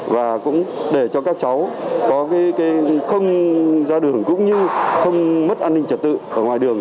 và cũng để cho các cháu không ra đường cũng như không mất an ninh trật tự ở ngoài đường